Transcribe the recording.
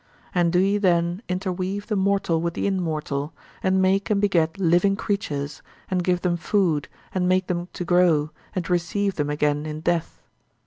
And do ye then interweave the mortal with the immortal, and make and beget living creatures, and give them food, and make them to grow, and receive them again in death.